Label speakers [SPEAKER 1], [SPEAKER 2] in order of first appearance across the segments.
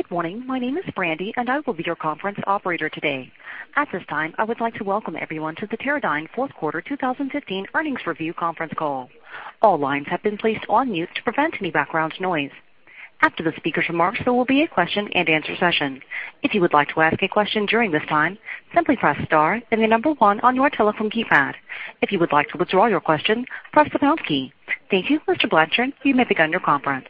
[SPEAKER 1] Good morning. My name is Brandy, and I will be your conference operator today. At this time, I would like to welcome everyone to the Teradyne Fourth Quarter 2015 Earnings Review Conference Call. All lines have been placed on mute to prevent any background noise. After the speakers' remarks, there will be a question-and-answer session. If you would like to ask a question during this time, simply press star then the number one on your telephone keypad. If you would like to withdraw your question, press the pound key. Thank you. Mr. Blanchard, you may begin your conference.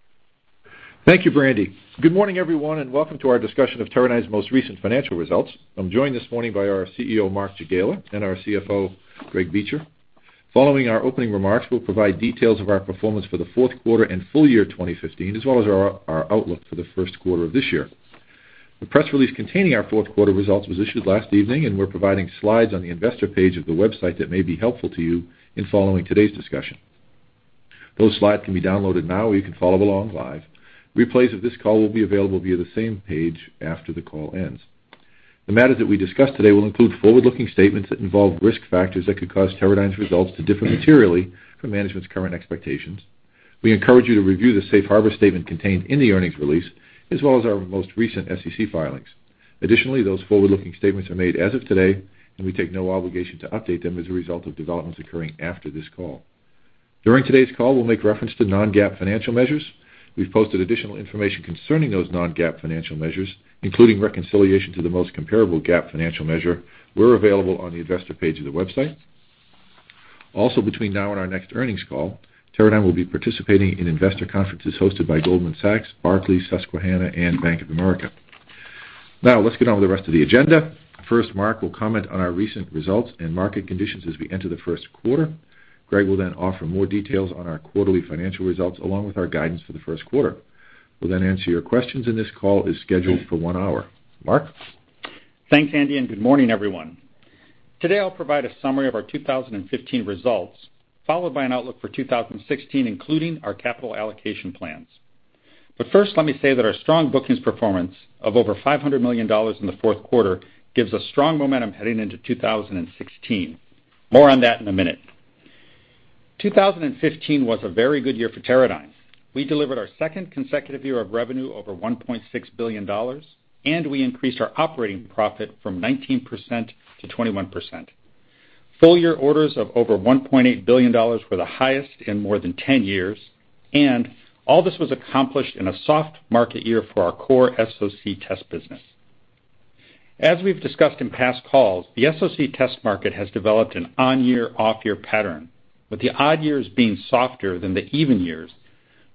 [SPEAKER 2] Thank you, Brandy. Welcome to our discussion of Teradyne's most recent financial results. I'm joined this morning by our CEO, Mark Jagiela, and our CFO, Greg Beecher. Following our opening remarks, we'll provide details of our performance for the fourth quarter and full year 2015, as well as our outlook for the first quarter of this year. The press release containing our fourth quarter results was issued last evening. We're providing slides on the investor page of the website that may be helpful to you in following today's discussion. Those slides can be downloaded now. You can follow along live. Replays of this call will be available via the same page after the call ends. The matters that we discuss today will include forward-looking statements that involve risk factors that could cause Teradyne's results to differ materially from management's current expectations. We encourage you to review the safe harbor statement contained in the earnings release, as well as our most recent SEC filings. Those forward-looking statements are made as of today. We take no obligation to update them as a result of developments occurring after this call. During today's call, we'll make reference to non-GAAP financial measures. We've posted additional information concerning those non-GAAP financial measures, including reconciliation to the most comparable GAAP financial measure, were available on the investor page of the website. Between now and our next earnings call, Teradyne will be participating in investor conferences hosted by Goldman Sachs, Barclays, Susquehanna, and Bank of America. Let's get on with the rest of the agenda. Mark will comment on our recent results and market conditions as we enter the first quarter. Greg will offer more details on our quarterly financial results, along with our guidance for the first quarter. We'll then answer your questions. This call is scheduled for one hour. Mark?
[SPEAKER 3] Thanks, Andy, and good morning, everyone. Today, I'll provide a summary of our 2015 results, followed by an outlook for 2016, including our capital allocation plans. First, let me say that our strong bookings performance of over $500 million in the fourth quarter gives us strong momentum heading into 2016. More on that in a minute. 2015 was a very good year for Teradyne. We delivered our second consecutive year of revenue over $1.6 billion, and we increased our operating profit from 19% to 21%. Full-year orders of over $1.8 billion were the highest in more than 10 years, and all this was accomplished in a soft market year for our core SoC test business. As we've discussed in past calls, the SoC test market has developed an on-year, off-year pattern, with the odd years being softer than the even years,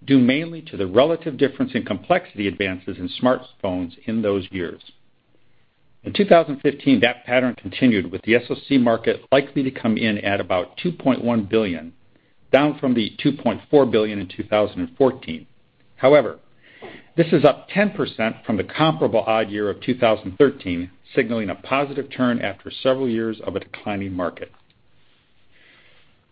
[SPEAKER 3] due mainly to the relative difference in complexity advances in smartphones in those years. In 2015, that pattern continued, with the SoC market likely to come in at about $2.1 billion, down from the $2.4 billion in 2014. This is up 10% from the comparable odd year of 2013, signaling a positive turn after several years of a declining market.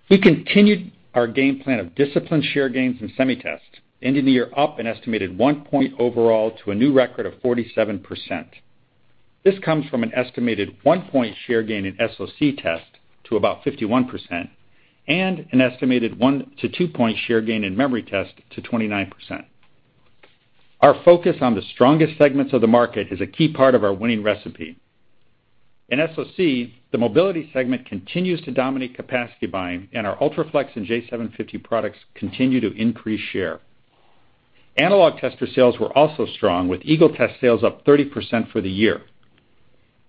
[SPEAKER 3] We continued our game plan of disciplined share gains in semi test, ending the year up an estimated one point overall to a new record of 47%. This comes from an estimated one-point share gain in SoC test to about 51% and an estimated one to two-point share gain in memory test to 29%. Our focus on the strongest segments of the market is a key part of our winning recipe. In SoC, the mobility segment continues to dominate capacity buying, and our UltraFLEX and J750 products continue to increase share. Analog tester sales were also strong, with Eagle Test sales up 30% for the year.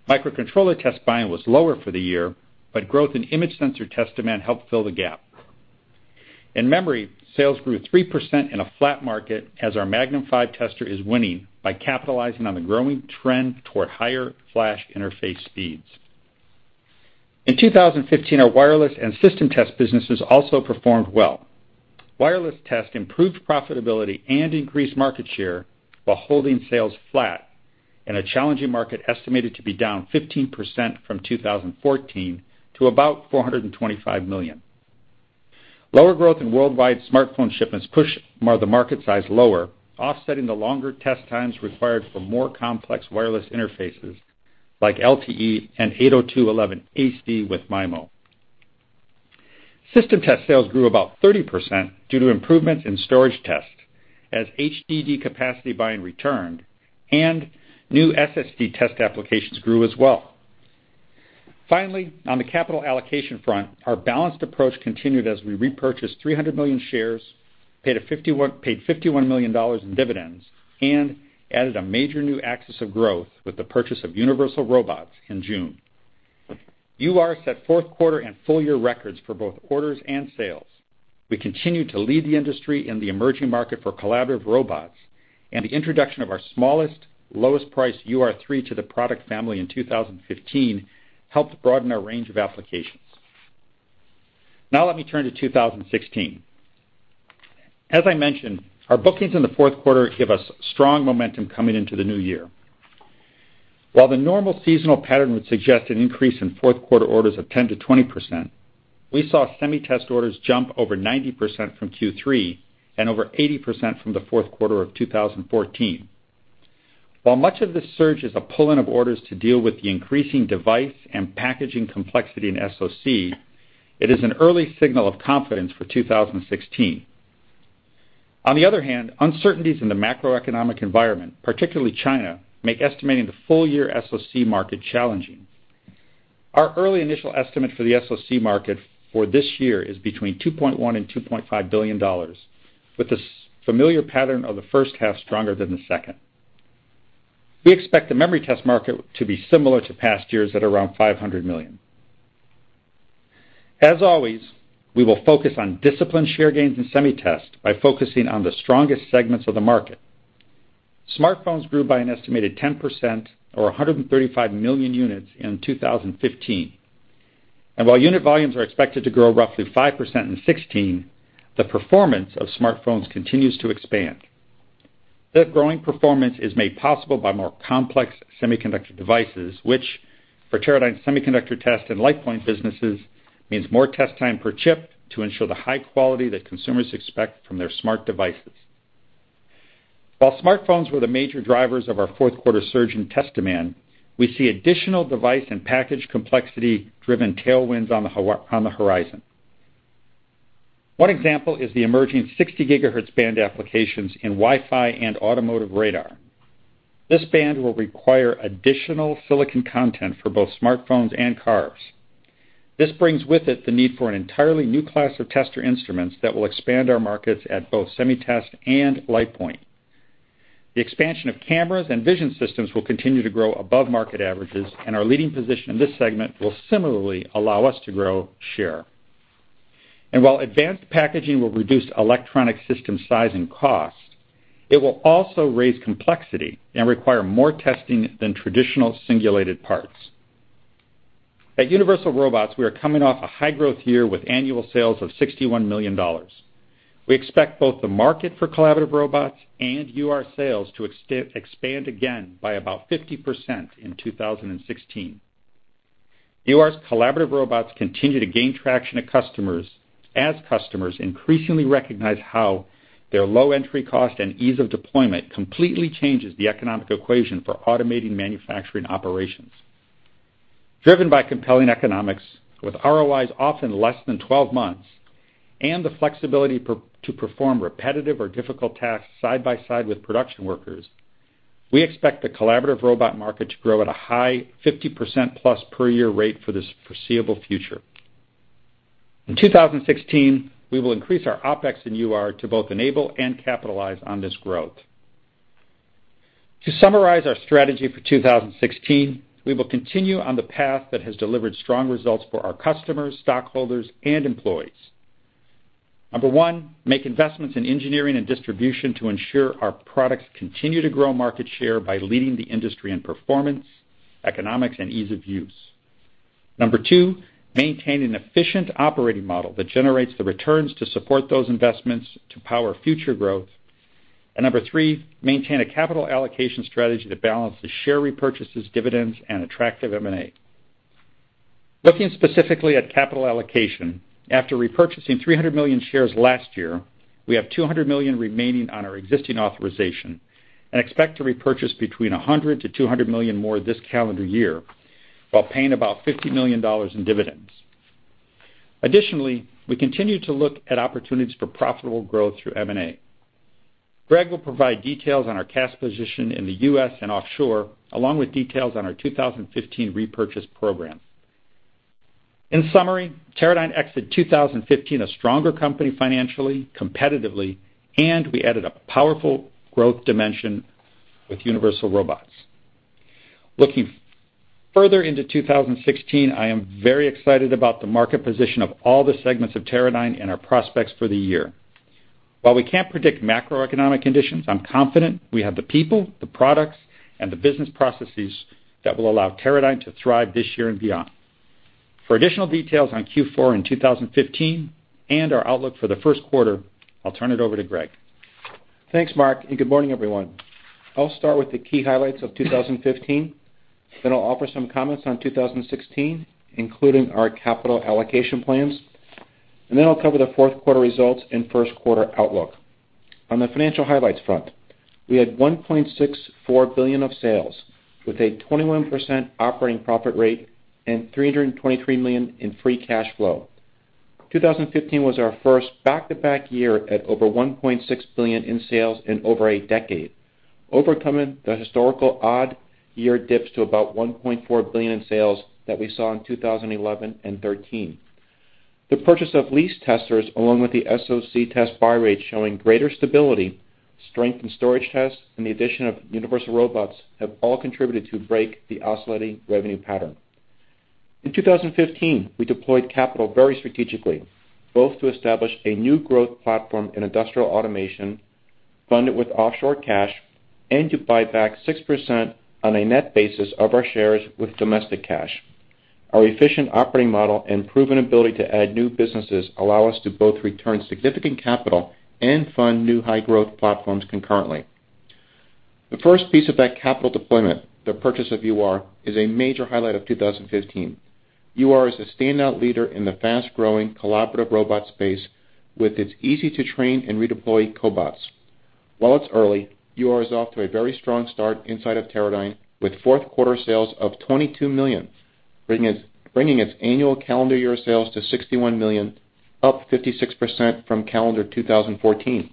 [SPEAKER 3] Microcontroller test buying was lower for the year, but growth in image sensor test demand helped fill the gap. In memory, sales grew 3% in a flat market as our Magnum V tester is winning by capitalizing on the growing trend toward higher flash interface speeds. In 2015, our wireless and system test businesses also performed well. Wireless test improved profitability and increased market share while holding sales flat in a challenging market estimated to be down 15% from 2014 to about $425 million. Lower growth in worldwide smartphone shipments pushed the market size lower, offsetting the longer test times required for more complex wireless interfaces like LTE and 802.11ac with MIMO. System test sales grew about 30% due to improvements in storage test as HDD capacity buying returned and new SSD test applications grew as well. Finally, on the capital allocation front, our balanced approach continued as we repurchased $300 million in shares, paid $51 million in dividends, and added a major new axis of growth with the purchase of Universal Robots in June. UR set fourth quarter and full-year records for both orders and sales. We continue to lead the industry in the emerging market for collaborative robots, and the introduction of our smallest, lowest-priced UR3 to the product family in 2015 helped broaden our range of applications. Let me turn to 2016. As I mentioned, our bookings in the fourth quarter give us strong momentum coming into the new year. While the normal seasonal pattern would suggest an increase in fourth quarter orders of 10%-20%, we saw SemiTest orders jump over 90% from Q3 and over 80% from the fourth quarter of 2014. While much of the surge is a pull-in of orders to deal with the increasing device and packaging complexity in SoC, it is an early signal of confidence for 2016. On the other hand, uncertainties in the macroeconomic environment, particularly China, make estimating the full year SoC market challenging. Our early initial estimate for the SoC market for this year is between $2.1 billion and $2.5 billion, with the familiar pattern of the first half stronger than the second. We expect the memory test market to be similar to past years at around $500 million. As always, we will focus on disciplined share gains in SemiTest by focusing on the strongest segments of the market. Smartphones grew by an estimated 10%, or 135 million units in 2015. While unit volumes are expected to grow roughly 5% in 2016, the performance of smartphones continues to expand. That growing performance is made possible by more complex semiconductor devices, which for Teradyne semiconductor test and LitePoint businesses, means more test time per chip to ensure the high quality that consumers expect from their smart devices. While smartphones were the major drivers of our fourth quarter surge in test demand, we see additional device and package complexity-driven tailwinds on the horizon. One example is the emerging 60 GHz band applications in Wi-Fi and automotive radar. This band will require additional silicon content for both smartphones and cars. This brings with it the need for an entirely new class of tester instruments that will expand our markets at both SemiTest and LitePoint. The expansion of cameras and vision systems will continue to grow above market averages, and our leading position in this segment will similarly allow us to grow share. While advanced packaging will reduce electronic system size and cost, it will also raise complexity and require more testing than traditional singulated parts. At Universal Robots, we are coming off a high-growth year with annual sales of $61 million. We expect both the market for collaborative robots and UR sales to expand again by about 50% in 2016. UR's collaborative robots continue to gain traction as customers increasingly recognize how their low entry cost and ease of deployment completely changes the economic equation for automating manufacturing operations. Driven by compelling economics, with ROIs often less than 12 months, and the flexibility to perform repetitive or difficult tasks side by side with production workers, we expect the collaborative robot market to grow at a high 50%+ per year rate for the foreseeable future. In 2016, we will increase our OpEx in UR to both enable and capitalize on this growth. To summarize our strategy for 2016, we will continue on the path that has delivered strong results for our customers, stockholders, and employees. Number one, make investments in engineering and distribution to ensure our products continue to grow market share by leading the industry in performance, economics, and ease of use. Number two, maintain an efficient operating model that generates the returns to support those investments to power future growth. Number three, maintain a capital allocation strategy that balances share repurchases, dividends, and attractive M&A. Looking specifically at capital allocation, after repurchasing 300 million shares last year, we have 200 million remaining on our existing authorization and expect to repurchase between 100 million to 200 million more this calendar year, while paying about $50 million in dividends. Additionally, we continue to look at opportunities for profitable growth through M&A. Greg will provide details on our cash position in the U.S. and offshore, along with details on our 2015 repurchase program. In summary, Teradyne exited 2015 a stronger company financially, competitively, and we added a powerful growth dimension with Universal Robots. Looking further into 2016, I am very excited about the market position of all the segments of Teradyne and our prospects for the year. While we can't predict macroeconomic conditions, I'm confident we have the people, the products, and the business processes that will allow Teradyne to thrive this year and beyond. For additional details on Q4 and 2015, our outlook for the first quarter, I'll turn it over to Greg.
[SPEAKER 4] Thanks, Mark, and good morning, everyone. I'll start with the key highlights of 2015. Then I'll offer some comments on 2016, including our capital allocation plans. Then I'll cover the fourth quarter results and first quarter outlook. On the financial highlights front, we had $1.64 billion of sales, with a 21% operating profit rate and $323 million in free cash flow. 2015 was our first back-to-back year at over $1.6 billion in sales in over a decade, overcoming the historical odd year dips to about $1.4 billion in sales that we saw in 2011 and 2013. The purchase of LitePoint testers, along with the SoC test buy rate showing greater stability, strength in storage tests, and the addition of Universal Robots, have all contributed to break the oscillating revenue pattern. In 2015, we deployed capital very strategically, both to establish a new growth platform in industrial automation, fund it with offshore cash, and to buy back 6% on a net basis of our shares with domestic cash. Our efficient operating model and proven ability to add new businesses allow us to both return significant capital and fund new high-growth platforms concurrently. The first piece of that capital deployment, the purchase of UR, is a major highlight of 2015. UR is a standout leader in the fast-growing collaborative robot space with its easy-to-train and redeploy cobots. While it's early, UR is off to a very strong start inside of Teradyne, with fourth quarter sales of $22 million, bringing its annual calendar year sales to $61 million, up 56% from calendar 2014.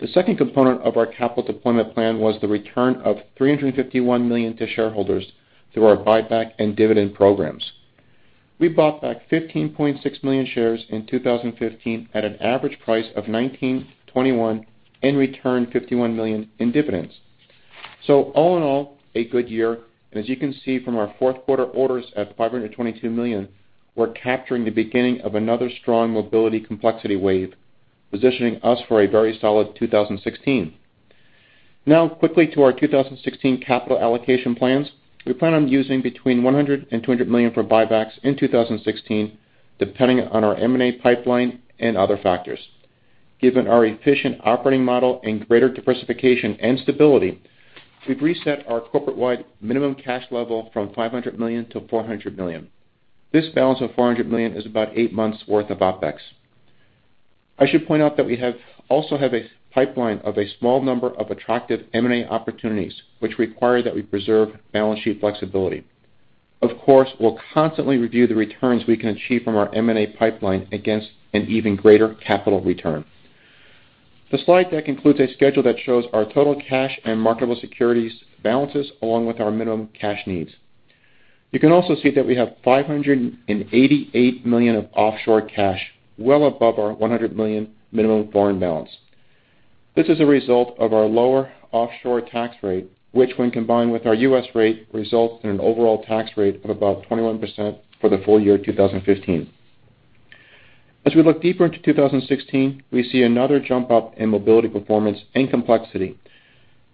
[SPEAKER 4] The second component of our capital deployment plan was the return of $351 million to shareholders through our buyback and dividend programs. We bought back 15.6 million shares in 2015 at an average price of $19.21 and returned $51 million in dividends. All in all, a good year. As you can see from our fourth quarter orders at $522 million, we're capturing the beginning of another strong mobility complexity wave, positioning us for a very solid 2016. Quickly to our 2016 capital allocation plans. We plan on using between $100 million-$200 million for buybacks in 2016, depending on our M&A pipeline and other factors. Given our efficient operating model and greater diversification and stability, we've reset our corporate-wide minimum cash level from $500 million to $400 million. This balance of $400 million is about eight months' worth of OpEx. I should point out that we also have a pipeline of a small number of attractive M&A opportunities, which require that we preserve balance sheet flexibility. Of course, we'll constantly review the returns we can achieve from our M&A pipeline against an even greater capital return. The slide deck includes a schedule that shows our total cash and marketable securities balances, along with our minimum cash needs. You can also see that we have $588 million of offshore cash, well above our $100 million minimum foreign balance. This is a result of our lower offshore tax rate, which when combined with our U.S. rate, results in an overall tax rate of about 21% for the full year 2015. As we look deeper into 2016, we see another jump up in mobility performance and complexity,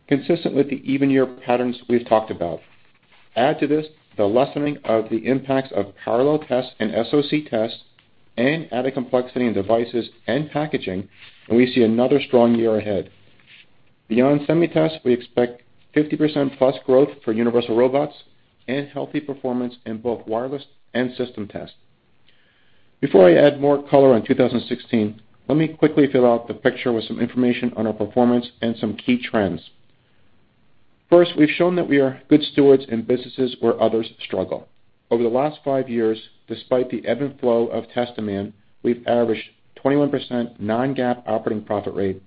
[SPEAKER 4] consistent with the even year patterns we've talked about. Add to this, the lessening of the impacts of parallel test and SoC test and added complexity in devices and packaging, and we see another strong year ahead. Beyond Semi Test, we expect 50%+ growth for Universal Robots and healthy performance in both wireless and system test. Before I add more color on 2016, let me quickly fill out the picture with some information on our performance and some key trends. First, we've shown that we are good stewards in businesses where others struggle. Over the last five years, despite the ebb and flow of test demand, we've averaged 21% non-GAAP operating profit rate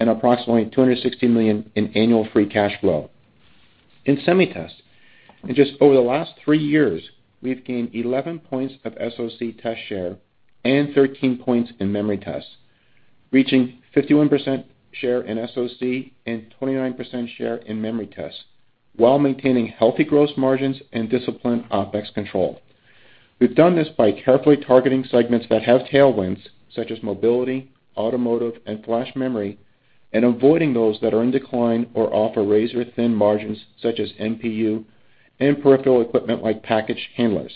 [SPEAKER 4] and approximately $260 million in annual free cash flow. In Semi Test, in just over the last three years, we've gained 11 points of SoC test share and 13 points in memory test, reaching 51% share in SoC and 29% share in memory test, while maintaining healthy gross margins and disciplined OpEx control. We've done this by carefully targeting segments that have tailwinds, such as mobility, automotive, and flash memory, and avoiding those that are in decline or offer razor-thin margins, such as MPU and peripheral equipment like package handlers.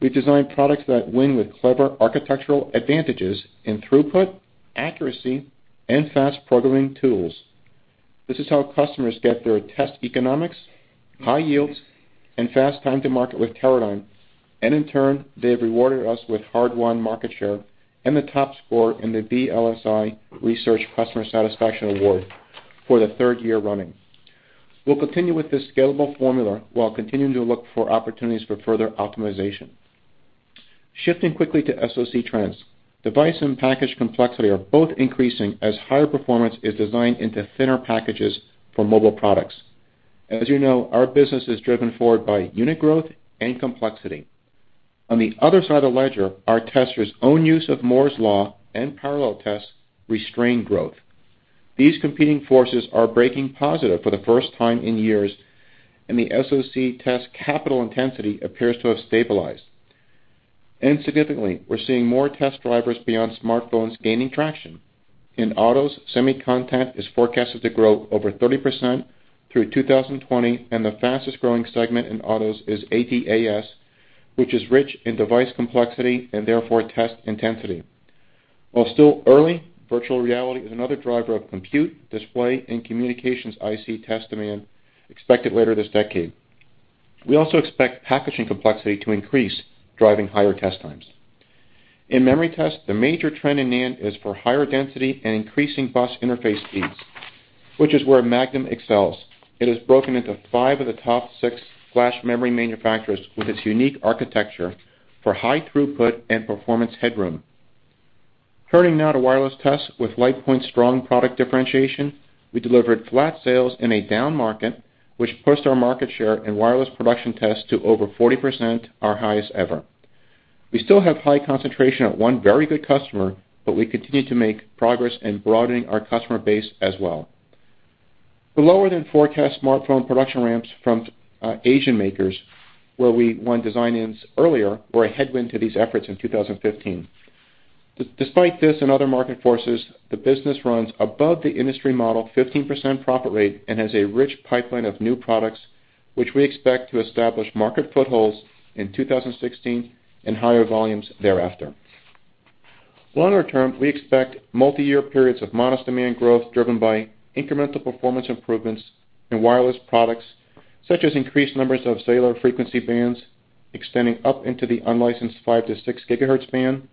[SPEAKER 4] We've designed products that win with clever architectural advantages in throughput, accuracy, and fast programming tools. This is how customers get their test economics, high yields, and fast time to market with Teradyne, and in turn, they've rewarded us with hard-won market share and the top score in the VLSIresearch Customer Satisfaction Award for the third year running. We'll continue with this scalable formula while continuing to look for opportunities for further optimization. Shifting quickly to SoC trends. Device and package complexity are both increasing as higher performance is designed into thinner packages for mobile products. As you know, our business is driven forward by unit growth and complexity. On the other side of the ledger, our testers own use of Moore's Law and parallel test restrain growth. These competing forces are breaking positive for the first time in years, and the SoC test capital intensity appears to have stabilized. Significantly, we're seeing more test drivers beyond smartphones gaining traction. In autos, semi content is forecasted to grow over 30% through 2020, and the fastest-growing segment in autos is ADAS, which is rich in device complexity and therefore test intensity. While still early, virtual reality is another driver of compute, display, and communications IC test demand expected later this decade. We also expect packaging complexity to increase, driving higher test times. In memory test, the major trend in NAND is for higher density and increasing bus interface speeds, which is where Magnum excels. It has broken into five of the top six flash memory manufacturers with its unique architecture for high throughput and performance headroom. Turning now to wireless test with LitePoint's strong product differentiation, we delivered flat sales in a down market, which pushed our market share in wireless production tests to over 40%, our highest ever. We still have high concentration at one very good customer, but we continue to make progress in broadening our customer base as well. The lower-than-forecast smartphone production ramps from Asian makers, where we won design-ins earlier, were a headwind to these efforts in 2015. Despite this and other market forces, the business runs above the industry model 15% profit rate and has a rich pipeline of new products, which we expect to establish market footholds in 2016 and higher volumes thereafter. Longer term, we expect multi-year periods of modest demand growth driven by incremental performance improvements in wireless products such as increased numbers of cellular frequency bands extending up into the unlicensed 5-6 gigahertz band,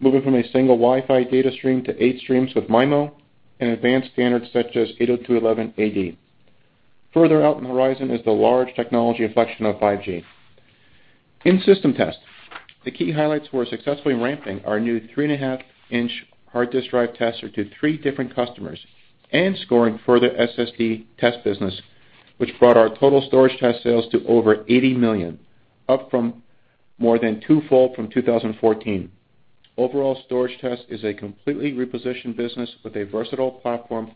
[SPEAKER 4] moving from a single Wi-Fi data stream to eight streams with MIMO, and advanced standards such as 802.11ad. Further out in the horizon is the large technology inflection of 5G. In system test, the key highlights were successfully ramping our new 3.5-inch hard disk drive tester to three different customers and scoring further SSD test business, which brought our total storage test sales to over $80 million, up from more than twofold from 2014. Overall, storage test is a completely repositioned business with a versatile platform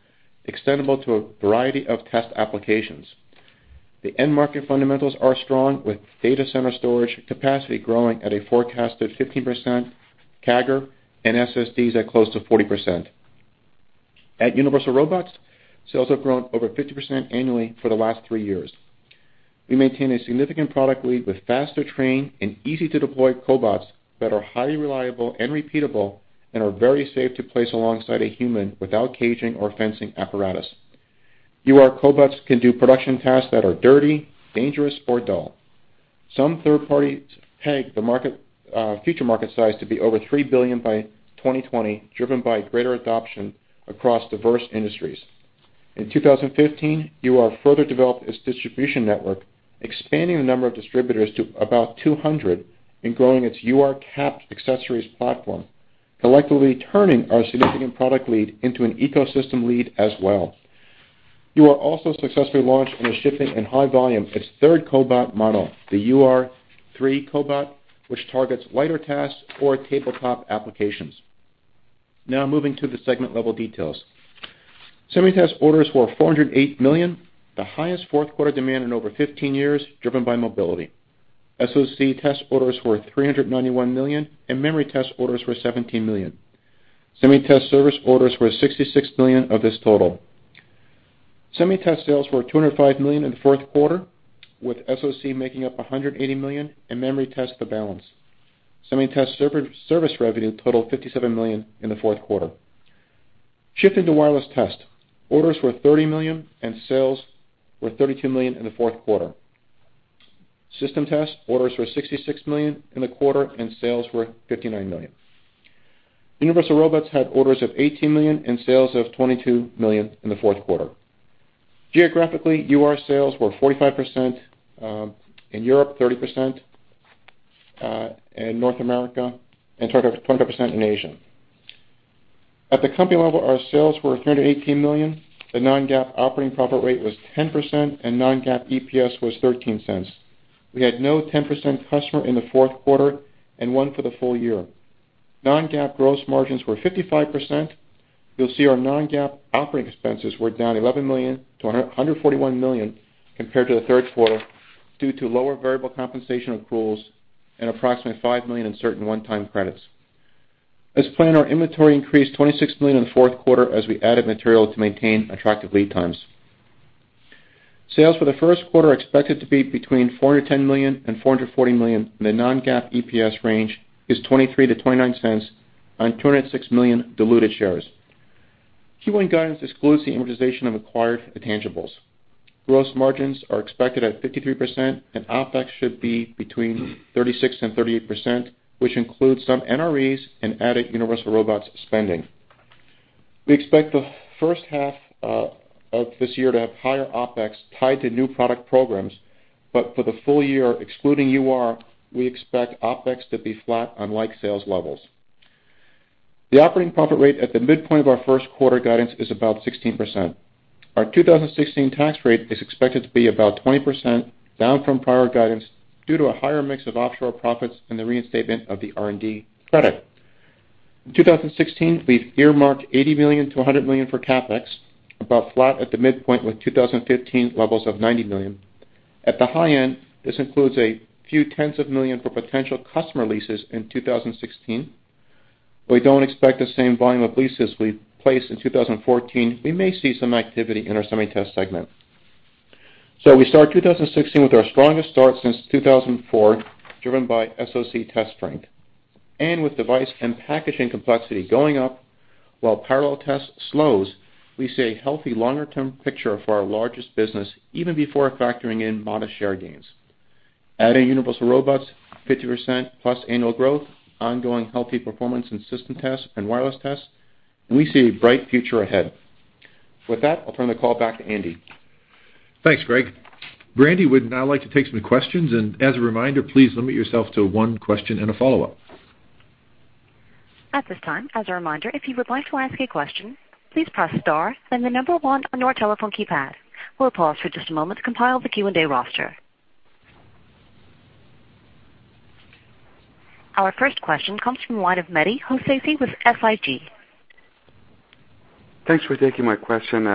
[SPEAKER 4] extendable to a variety of test applications. The end market fundamentals are strong with data center storage capacity growing at a forecasted 15% CAGR and SSDs at close to 40%. At Universal Robots, sales have grown over 50% annually for the last three years. We maintain a significant product lead with faster train and easy-to-deploy cobots that are highly reliable and repeatable and are very safe to place alongside a human without caging or fencing apparatus. UR cobots can do production tasks that are dirty, dangerous, or dull. Some third parties peg the future market size to be over $3 billion by 2020, driven by greater adoption across diverse industries. In 2015, UR further developed its distribution network, expanding the number of distributors to about 200 and growing its URCaps accessories platform, collectively turning our significant product lead into an ecosystem lead as well. UR also successfully launched in a shipping and high volume, its third cobot model, the UR3 cobot, which targets lighter tasks or tabletop applications. Moving to the segment level details. Semi-test orders were $408 million, the highest fourth quarter demand in over 15 years, driven by mobility. SoC test orders were $391 million, and memory test orders were $17 million. Semi-test service orders were $66 million of this total. Semi-test sales were $205 million in the fourth quarter, with SoC making up $180 million and memory test the balance. Semi-test service revenue totaled $57 million in the fourth quarter. Shifting to wireless test. Orders were $30 million, and sales were $32 million in the fourth quarter. System test orders were $66 million in the quarter, and sales were $59 million. Universal Robots had orders of $18 million and sales of $22 million in the fourth quarter. Geographically, UR sales were 45% in Europe, 30% in North America, and 25% in Asia. At the company level, our sales were $318 million, the non-GAAP operating profit rate was 10%, and non-GAAP EPS was $0.13. We had no 10% customer in the fourth quarter and one for the full year. Non-GAAP gross margins were 55%. You'll see our non-GAAP operating expenses were down $11 million to $141 million compared to the third quarter due to lower variable compensation accruals and approximately $5 million in certain one-time credits. As planned, our inventory increased $26 million in the fourth quarter as we added material to maintain attractive lead times. Sales for the first quarter are expected to be between $410 million and $440 million, and the non-GAAP EPS range is $0.23-$0.29 on 206 million diluted shares. Q1 guidance excludes the amortization of acquired intangibles. Gross margins are expected at 53%, and OpEx should be between 36%-38%, which includes some NREs and added Universal Robots spending. We expect the first half of this year to have higher OpEx tied to new product programs. For the full year, excluding UR, we expect OpEx to be flat unlike sales levels. The operating profit rate at the midpoint of our first quarter guidance is about 16%. Our 2016 tax rate is expected to be about 20%, down from prior guidance due to a higher mix of offshore profits and the reinstatement of the R&D credit. In 2016, we've earmarked $80 million-$100 million for CapEx, about flat at the midpoint with 2015 levels of $90 million. At the high end, this includes $ a few tens of millions for potential customer leases in 2016. We don't expect the same volume of leases we placed in 2014. We may see some activity in our Semi-test segment. We start 2016 with our strongest start since 2004, driven by SoC test strength. With device and packaging complexity going up while parallel test slows, we see a healthy longer-term picture for our largest business, even before factoring in modest share gains. Adding Universal Robots, 50% plus annual growth, ongoing healthy performance in system tests and wireless tests, we see a bright future ahead. With that, I'll turn the call back to Andy.
[SPEAKER 2] Thanks, Greg. Brandy would now like to take some questions. As a reminder, please limit yourself to one question and a follow-up.
[SPEAKER 1] At this time, as a reminder, if you would like to ask a question, please press star, then the number one on your telephone keypad. We'll pause for just a moment to compile the Q&A roster. Our first question comes from the line of Mehdi Hosseini with SIG.
[SPEAKER 5] Thanks for taking my question.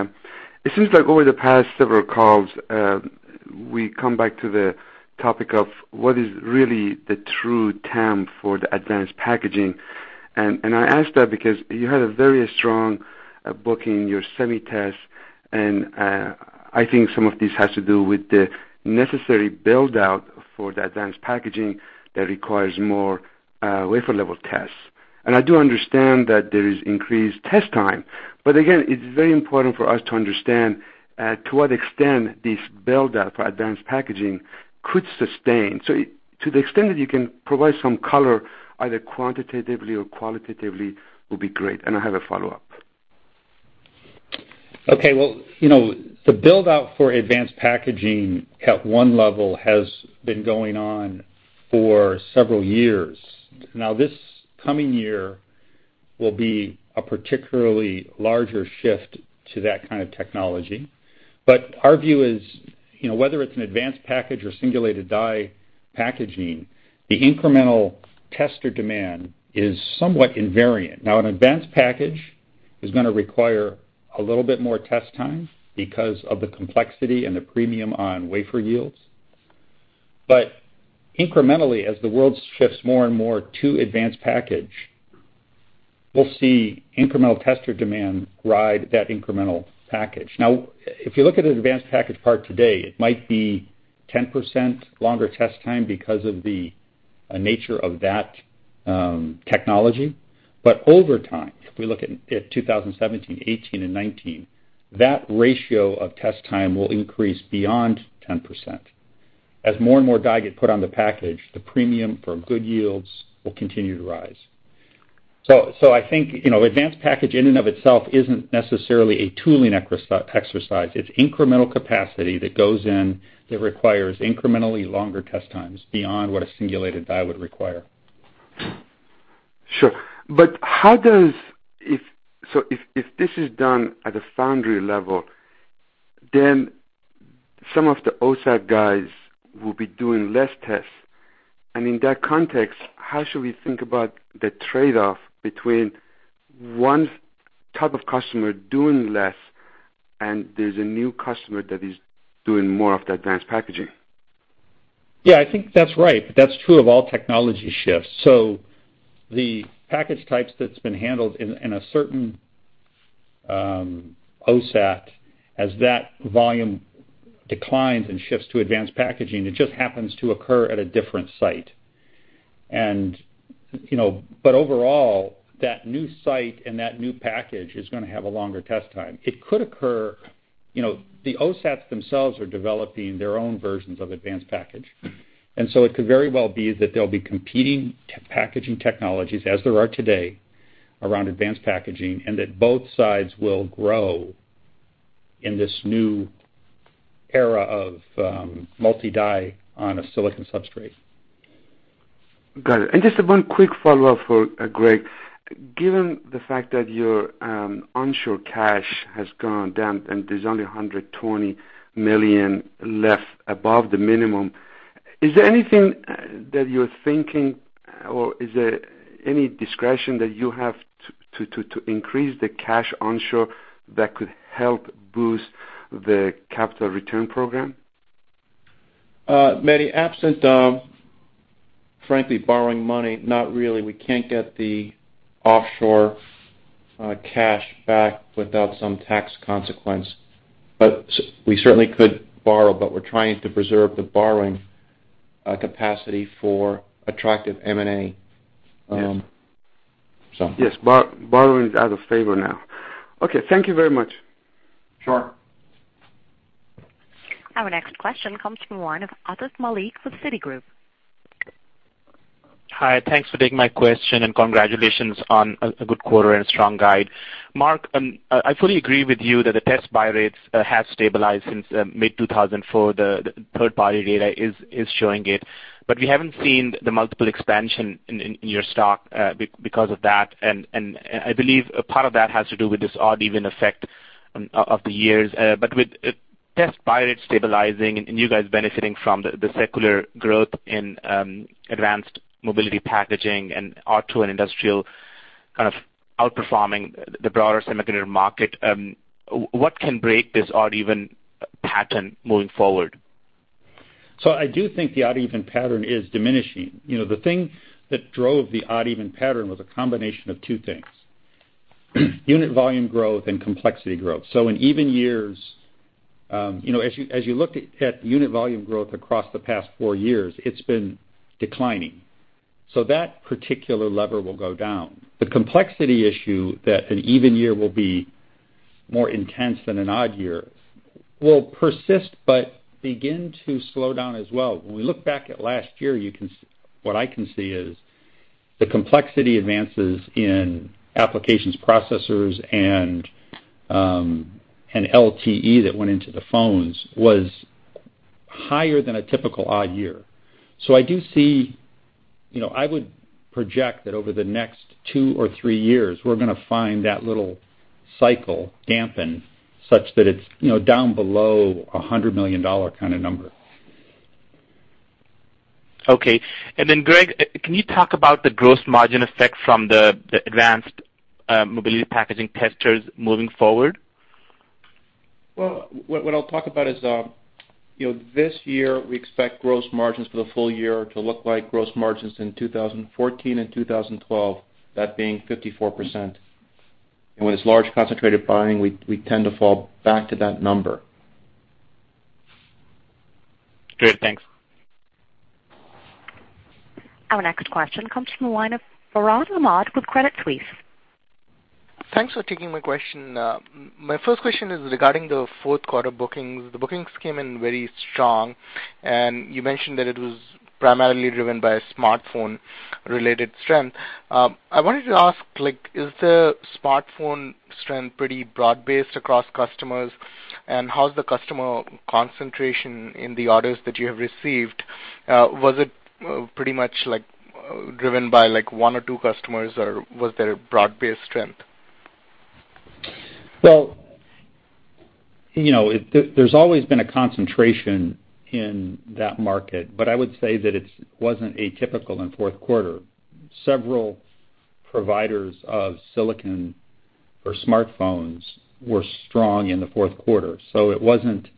[SPEAKER 5] It seems like over the past several calls, we come back to the topic of what is really the true TAM for the advanced packaging. I ask that because you had a very strong booking your semi-test. I think some of this has to do with the necessary build-out for the advanced packaging that requires more wafer-level tests. I do understand that there is increased test time, but again, it's very important for us to understand to what extent this build-up for advanced packaging could sustain. To the extent that you can provide some color, either quantitatively or qualitatively, will be great. I have a follow-up.
[SPEAKER 3] Well, the build-out for advanced packaging at one level has been going on for several years. This coming year will be a particularly larger shift to that kind of technology. Our view is, whether it's an advanced package or singulated die packaging, the incremental tester demand is somewhat invariant. An advanced package is going to require a little bit more test time because of the complexity and the premium on wafer yields. Incrementally, as the world shifts more and more to advanced package, we'll see incremental tester demand ride that incremental package. If you look at an advanced package part today, it might be 10% longer test time because of the nature of that technology. Over time, if we look at 2017, 2018, and 2019, that ratio of test time will increase beyond 10%. As more and more die get put on the package, the premium for good yields will continue to rise. I think, advanced package in and of itself isn't necessarily a tooling exercise. It's incremental capacity that goes in, that requires incrementally longer test times beyond what a singulated die would require.
[SPEAKER 5] Sure. If this is done at the foundry level, then some of the OSAT guys will be doing less tests. In that context, how should we think about the trade-off between one type of customer doing less and there's a new customer that is doing more of the advanced packaging?
[SPEAKER 3] I think that's right. That's true of all technology shifts. The package types that's been handled in a certain OSAT, as that volume declines and shifts to advanced packaging, it just happens to occur at a different site. Overall, that new site and that new package is going to have a longer test time. It could occur, the OSATs themselves are developing their own versions of advanced package. It could very well be that there'll be competing packaging technologies, as there are today around advanced packaging, and that both sides will grow in this new era of multi-die on a silicon substrate.
[SPEAKER 5] Got it. Just one quick follow-up for Greg. Given the fact that your onshore cash has gone down and there's only $120 million left above the minimum, is there anything that you're thinking or is there any discretion that you have to increase the cash onshore that could help boost the capital return program?
[SPEAKER 4] Mehdi, absent frankly, borrowing money, not really. We can't get the offshore cash back without some tax consequence. We certainly could borrow, but we're trying to preserve the borrowing capacity for attractive M&A.
[SPEAKER 5] Yes.
[SPEAKER 4] So.
[SPEAKER 5] Yes. Borrowing is out of favor now. Okay. Thank you very much.
[SPEAKER 3] Sure.
[SPEAKER 1] Our next question comes from the line of Atif Malik with Citigroup.
[SPEAKER 6] Hi. Thanks for taking my question, and congratulations on a good quarter and a strong guide. Mark, I fully agree with you that the test buy rates have stabilized since mid-2004. The third-party data is showing it. We haven't seen the multiple expansion in your stock because of that, I believe a part of that has to do with this odd even effect of the years. With test buy rates stabilizing and you guys benefiting from the secular growth in advanced mobility packaging and auto and industrial kind of outperforming the broader semiconductor market, what can break this odd even pattern moving forward?
[SPEAKER 3] I do think the odd even pattern is diminishing. The thing that drove the odd even pattern was a combination of two things: unit volume growth and complexity growth. In even years, as you looked at unit volume growth across the past four years, it's been declining. That particular lever will go down. The complexity issue that an even year will be more intense than an odd year will persist but begin to slow down as well. When we look back at last year, what I can see is the complexity advances in applications, processors, and LTE that went into the phones was higher than a typical odd year. I would project that over the next two or three years, we're going to find that little cycle dampen such that it's down below $100 million kind of number.
[SPEAKER 6] Okay. Greg, can you talk about the gross margin effect from the advanced mobility packaging testers moving forward?
[SPEAKER 4] What I'll talk about is, this year, we expect gross margins for the full year to look like gross margins in 2014 and 2012, that being 54%. When it's large concentrated buying, we tend to fall back to that number.
[SPEAKER 6] Great. Thanks.
[SPEAKER 1] Our next question comes from the line of Farhan Ahmad with Credit Suisse.
[SPEAKER 7] Thanks for taking my question. My first question is regarding the fourth quarter bookings. The bookings came in very strong, and you mentioned that it was primarily driven by smartphone-related strength. I wanted to ask, is the smartphone strength pretty broad-based across customers? How's the customer concentration in the orders that you have received? Was it pretty much driven by one or two customers, or was there a broad-based strength?
[SPEAKER 3] Well, there's always been a concentration in that market, but I would say that it wasn't atypical in the fourth quarter. Several providers of silicon for smartphones were strong in the fourth quarter. It wasn't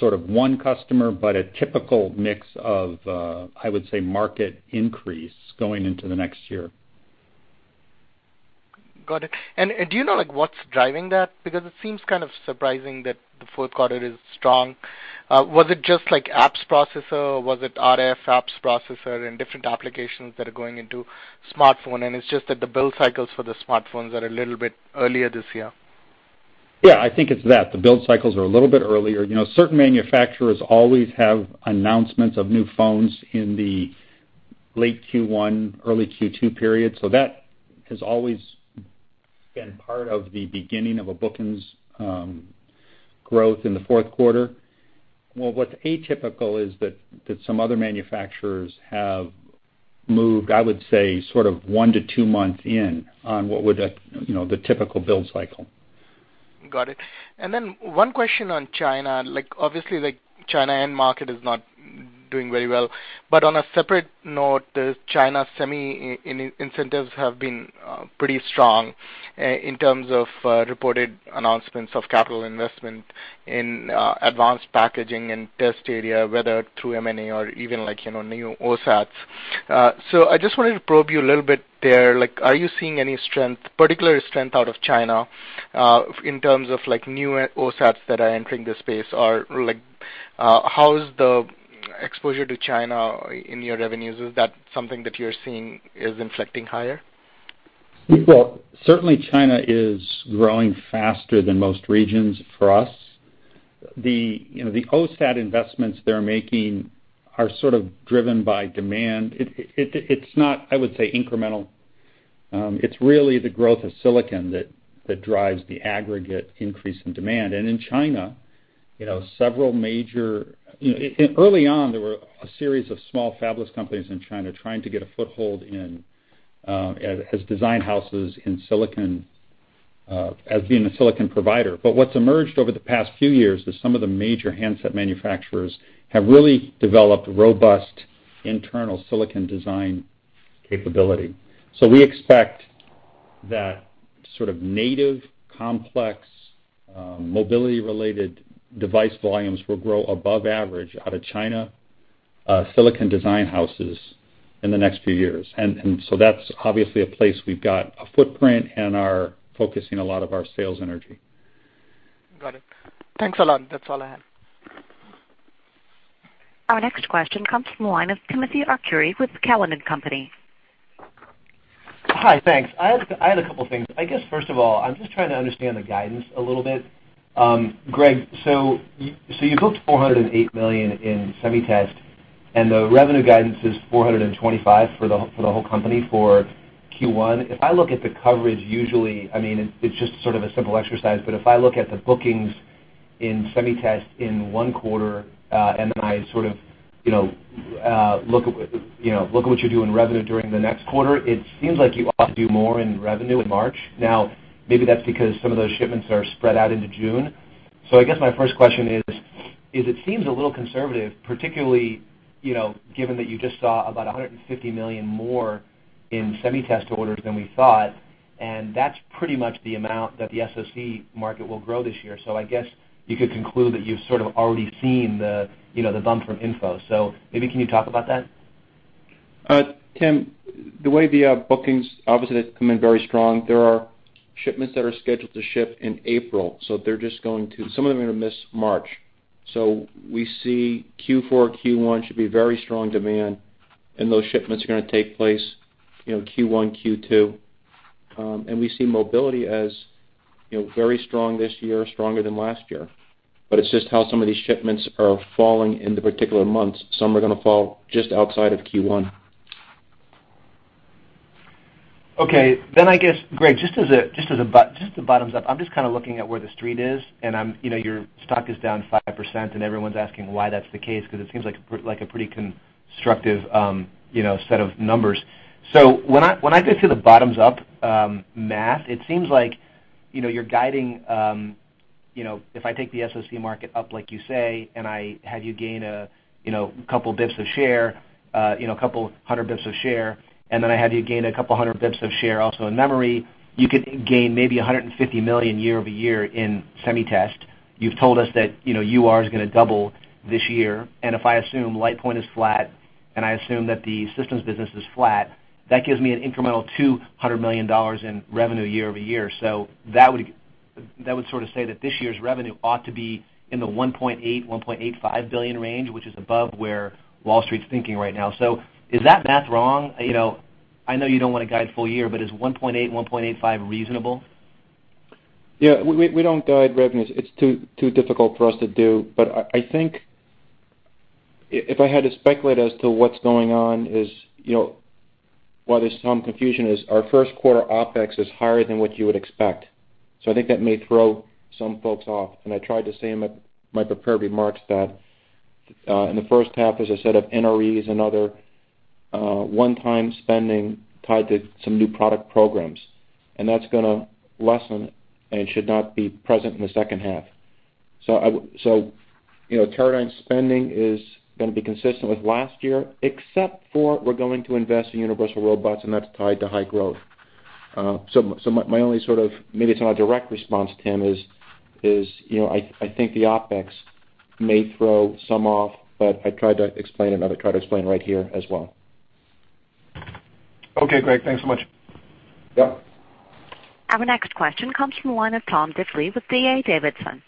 [SPEAKER 3] sort of one customer, but a typical mix of, I would say, market increase going into the next year.
[SPEAKER 7] Got it. Do you know what's driving that? Because it seems kind of surprising that the fourth quarter is strong. Was it just apps processor? Was it RF apps processor and different applications that are going into smartphone, and it's just that the build cycles for the smartphones are a little bit earlier this year?
[SPEAKER 3] Yeah, I think it's that. The build cycles are a little bit earlier. Certain manufacturers always have announcements of new phones in the late Q1, early Q2 period. That has always been part of the beginning of a bookings growth in the fourth quarter. What's atypical is that some other manufacturers have moved, I would say, sort of 1-2 months in on what would the typical build cycle.
[SPEAKER 7] Got it. One question on China. Obviously, China end market is not doing very well. On a separate note, the China semi incentives have been pretty strong in terms of reported announcements of capital investment in advanced packaging and test area, whether through M&A or even new OSATs. I just wanted to probe you a little bit there. Are you seeing any particular strength out of China, in terms of new OSATs that are entering the space? Or how is the exposure to China in your revenues? Is that something that you're seeing is inflicting higher?
[SPEAKER 3] Certainly China is growing faster than most regions for us. The OSAT investments they're making are sort of driven by demand. It's not, I would say, incremental. It's really the growth of silicon that drives the aggregate increase in demand. In China, early on, there were a series of small fabless companies in China trying to get a foothold as design houses as being a silicon provider. What's emerged over the past few years is some of the major handset manufacturers have really developed robust internal silicon design capability. We expect that sort of native complex, mobility-related device volumes will grow above average out of China silicon design houses in the next few years. That's obviously a place we've got a footprint and are focusing a lot of our sales energy.
[SPEAKER 7] Got it. Thanks a lot. That's all I had.
[SPEAKER 1] Our next question comes from the line of Timothy Arcuri with Cowen and Company.
[SPEAKER 8] Hi, thanks. I had a couple things. I guess, first of all, I'm just trying to understand the guidance a little bit. Greg, you booked $408 million in SemiTest, and the revenue guidance is $425 million for the whole company for Q1. If I look at the coverage usually, it's just sort of a simple exercise, but if I look at the bookings in SemiTest in one quarter, and then I sort of look at what you do in revenue during the next quarter, it seems like you ought to do more in revenue in March. Now, maybe that's because some of those shipments are spread out into June. I guess my first question is, it seems a little conservative, particularly, given that you just saw about $150 million more in SemiTest orders than we thought, and that's pretty much the amount that the SoC market will grow this year. I guess you could conclude that you've sort of already seen the bump from InFO. Maybe can you talk about that?
[SPEAKER 3] Tim, the way the bookings, obviously, they've come in very strong. There are shipments that are scheduled to ship in April, so some of them are going to miss March. We see Q4, Q1 should be very strong demand, and those shipments are going to take place Q1, Q2. We see mobility as very strong this year, stronger than last year. It's just how some of these shipments are falling in the particular months. Some are going to fall just outside of Q1.
[SPEAKER 8] Okay. I guess, Greg, just to bottom up, I'm just kind of looking at where Wall Street is, and your stock is down 5%, and everyone's asking why that's the case, because it seems like a pretty constructive set of numbers. When I do the bottoms up math, it seems like you're guiding, if I take the SoC market up like you say, and I have you gain a couple hundred bits of share, and then I have you gain a couple hundred bits of share also in memory, you could gain maybe $150 million year-over-year in SemiTest. You've told us that UR is going to double this year, and if I assume LitePoint is flat, and I assume that the systems business is flat, that gives me an incremental $200 million in revenue year-over-year. That would sort of say that this year's revenue ought to be in the $1.8 billion, $1.85 billion range, which is above where Wall Street's thinking right now. Is that math wrong? I know you don't want to guide full year, but is $1.8 billion, $1.85 billion reasonable?
[SPEAKER 3] Yeah. We don't guide revenues. It's too difficult for us to do. I think if I had to speculate as to what's going on is, why there's some confusion is our first quarter OpEx is higher than what you would expect. I think that may throw some folks off, and I tried to say in my prepared remarks that in the first half, as I said, that NREs and other one-time spending tied to some new product programs, and that's going to lessen and should not be present in the second half. Teradyne spending is going to be consistent with last year, except for we're going to invest in Universal Robots, and that's tied to high growth. maybe it's not a direct response, Tim, is I think the OpEx may throw some off, but I tried to explain and I'll try to explain right here as well.
[SPEAKER 8] Okay, Greg, thanks so much.
[SPEAKER 3] Yep.
[SPEAKER 1] Our next question comes from the line of Tom Diffely with D.A. Davidson.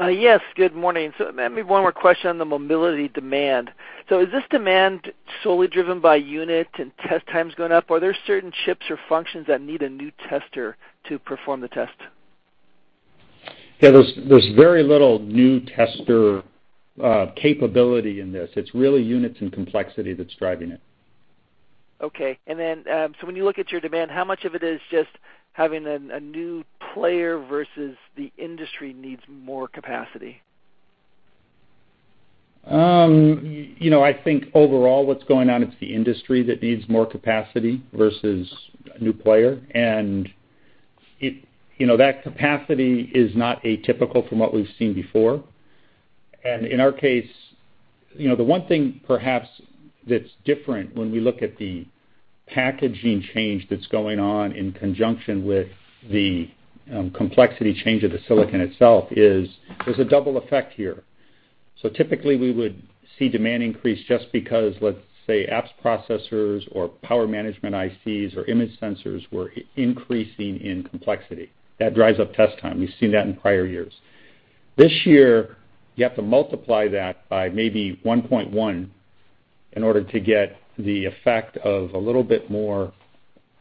[SPEAKER 9] Yes, good morning. maybe one more question on the mobility demand. Is this demand solely driven by unit and test times going up? Are there certain chips or functions that need a new tester to perform the test?
[SPEAKER 3] Yeah, there's very little new tester capability in this. It's really units and complexity that's driving it.
[SPEAKER 9] Okay. When you look at your demand, how much of it is just having a new player versus the industry needs more capacity?
[SPEAKER 3] I think overall what's going on, it's the industry that needs more capacity versus a new player. That capacity is not atypical from what we've seen before. In our case, the one thing perhaps that's different when we look at the packaging change that's going on in conjunction with the complexity change of the silicon itself is there's a double effect here. Typically we would see demand increase just because, let's say apps processors or power management ICs or image sensors were increasing in complexity. That drives up test time. We've seen that in prior years. This year, you have to multiply that by maybe 1.1 in order to get the effect of a little bit more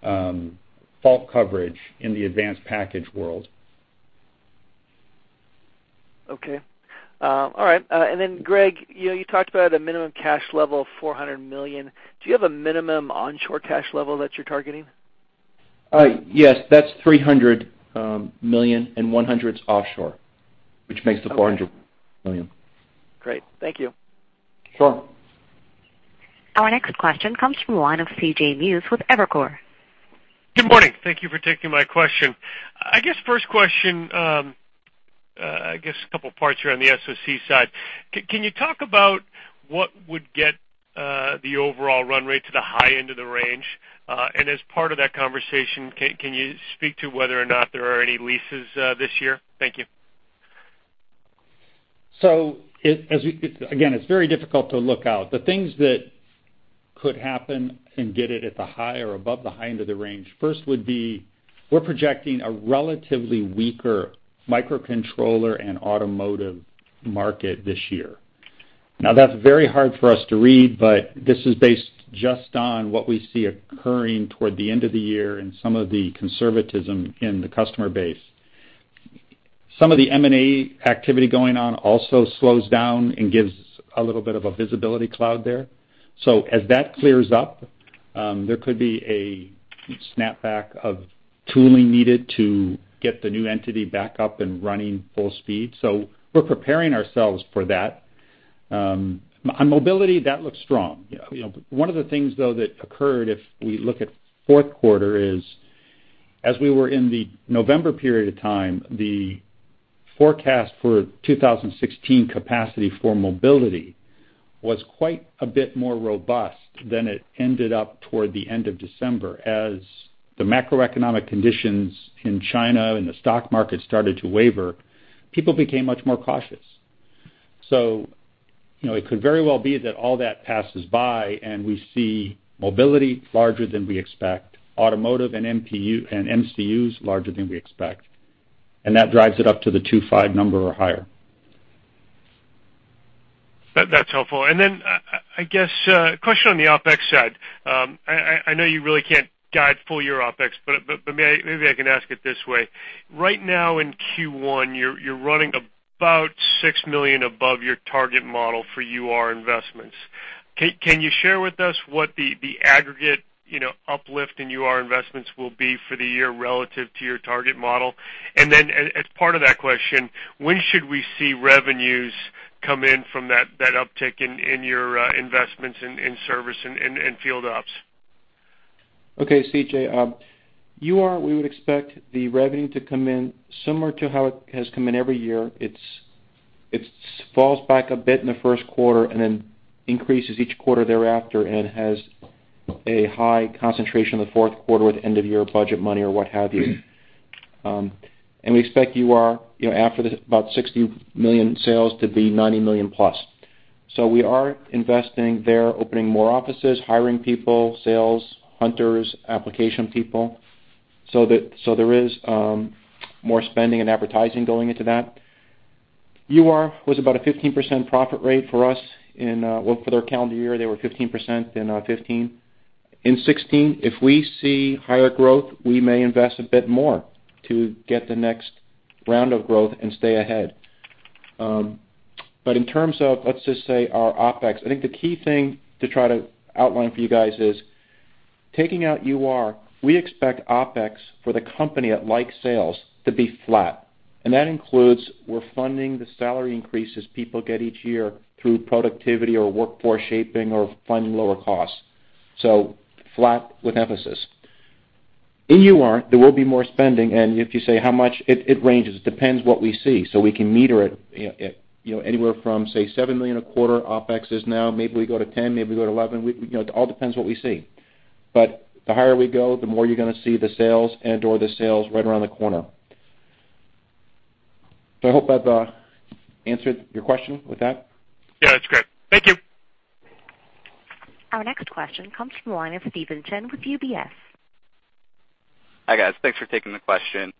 [SPEAKER 3] fault coverage in the advanced package world.
[SPEAKER 9] Okay. All right. Then Greg, you talked about a minimum cash level of $400 million. Do you have a minimum onshore cash level that you're targeting?
[SPEAKER 4] Yes, that's $300 million, and $100 million's offshore, which makes the $400 million.
[SPEAKER 9] Great. Thank you.
[SPEAKER 3] Sure.
[SPEAKER 1] Our next question comes from the line of C.J. Muse with Evercore.
[SPEAKER 10] Good morning. Thank you for taking my question. I guess first question, I guess a couple of parts here on the SoC side. Can you talk about what would get the overall run rate to the high end of the range? As part of that conversation, can you speak to whether or not there are any leases this year? Thank you.
[SPEAKER 3] Again, it's very difficult to look out. The things that could happen and get it at the high or above the high end of the range, first would be we're projecting a relatively weaker microcontroller and automotive market this year. That's very hard for us to read, but this is based just on what we see occurring toward the end of the year and some of the conservatism in the customer base. Some of the M&A activity going on also slows down and gives a little bit of a visibility cloud there. As that clears up, there could be a snapback of tooling needed to get the new entity back up and running full speed. We're preparing ourselves for that. On mobility, that looks strong. One of the things, though, that occurred, if we look at fourth quarter, is as we were in the November period of time, the forecast for 2016 capacity for mobility was quite a bit more robust than it ended up toward the end of December. As the macroeconomic conditions in China and the stock market started to waver, people became much more cautious. It could very well be that all that passes by and we see mobility larger than we expect, automotive and MCUs larger than we expect, and that drives it up to the 2.5 number or higher.
[SPEAKER 10] That's helpful. I guess, a question on the OpEx side. I know you really can't guide full year OpEx, but maybe I can ask it this way. Right now in Q1, you're running about $6 million above your target model for UR investments. Can you share with us what the aggregate uplift in UR investments will be for the year relative to your target model? As part of that question, when should we see revenues come in from that uptick in your investments in service and field ops?
[SPEAKER 3] CJ. UR, we would expect the revenue to come in similar to how it has come in every year. It falls back a bit in the first quarter and then increases each quarter thereafter and has a high concentration in the fourth quarter with end-of-year budget money or what have you. We expect UR after this, about $60 million sales to be $90 million plus. We are investing there, opening more offices, hiring people, sales, hunters, application people, there is more spending and advertising going into that. UR was about a 15% profit rate for us for their calendar year, they were 15% in '15. In '16, if we see higher growth, we may invest a bit more to get the next round of growth and stay ahead. In terms of, let's just say, our OpEx, I think the key thing to try to outline for you guys is taking out UR, we expect OpEx for the company at like sales to be flat. That includes we're funding the salary increases people get each year through productivity or workforce shaping or funding lower costs. Flat with emphasis. In UR, there will be more spending, and if you say how much, it ranges. It depends what we see, so we can meter it anywhere from, say, $7 million a quarter OpEx is now. Maybe we go to 10, maybe we go to 11. It all depends what we see. The higher we go, the more you're going to see the sales and/or the sales right around the corner. I hope I've answered your question with that.
[SPEAKER 10] That's great. Thank you.
[SPEAKER 1] Our next question comes from the line of Stephen Chin with UBS.
[SPEAKER 11] Hi, guys. Thanks for taking the question.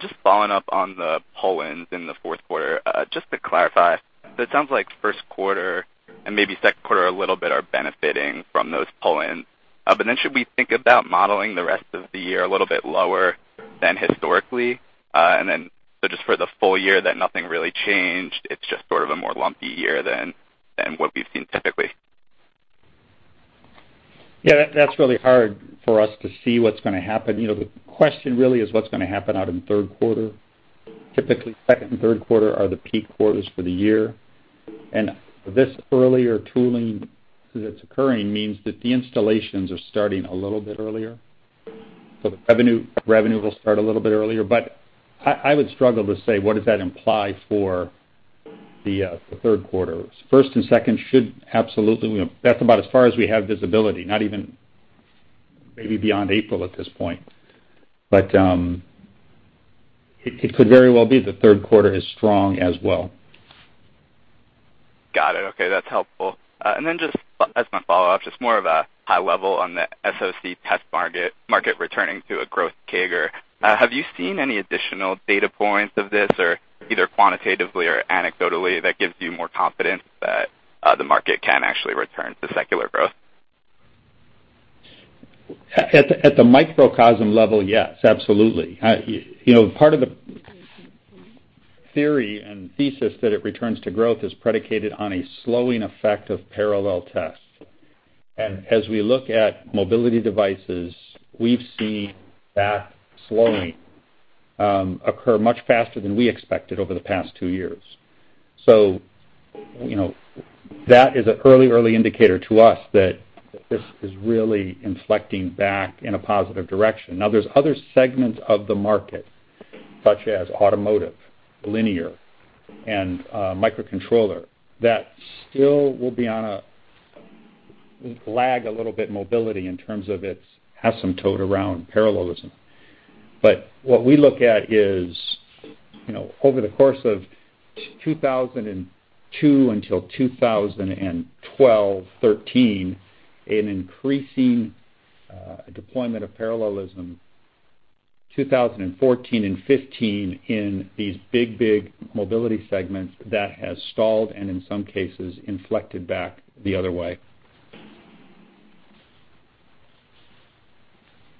[SPEAKER 11] Just following up on the pull-ins in the fourth quarter, just to clarify, but it sounds like first quarter and maybe second quarter a little bit are benefiting from those pull-ins. Should we think about modeling the rest of the year a little bit lower than historically? Just for the full year, that nothing really changed, it's just sort of a more lumpy year than what we've seen typically.
[SPEAKER 3] Yeah, that's really hard for us to see what's going to happen. The question really is what's going to happen out in the third quarter. Typically, second and third quarter are the peak quarters for the year. This earlier tooling that's occurring means that the installations are starting a little bit earlier. The revenue will start a little bit earlier. I would struggle to say what does that imply for the third quarter. That's about as far as we have visibility, not even maybe beyond April at this point. It could very well be the third quarter is strong as well.
[SPEAKER 11] Got it. Okay. That's helpful. Then just as my follow-up, just more of a high level on the SoC test market returning to a growth CAGR. Have you seen any additional data points of this, either quantitatively or anecdotally, that gives you more confidence that the market can actually return to secular growth?
[SPEAKER 3] At the microcosm level, yes, absolutely. Part of the theory and thesis that it returns to growth is predicated on a slowing effect of parallel tests. As we look at mobility devices, we've seen that slowing occur much faster than we expected over the past two years. That is an early indicator to us that this is really inflecting back in a positive direction. Now, there's other segments of the market, such as automotive, linear, and microcontroller, that still will lag a little bit mobility in terms of its asymptote around parallelism. What we look at is, over the course of 2002 until 2012, 2013, an increasing deployment of parallelism 2014 and 2015 in these big mobility segments that has stalled and in some cases inflected back the other way.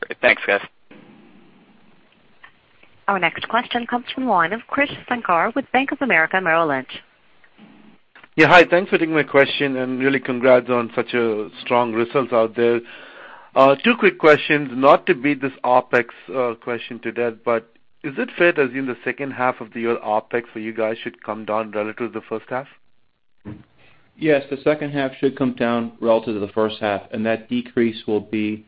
[SPEAKER 11] Great. Thanks, guys.
[SPEAKER 1] Our next question comes from the line of Krish Sankar with Bank of America Merrill Lynch.
[SPEAKER 12] Hi. Really congrats on such strong results out there. Two quick questions, not to beat this OpEx question to death, is it fair to assume the second half of the year OpEx for you guys should come down relative to the first half?
[SPEAKER 3] Yes, the second half should come down relative to the first half. That decrease will be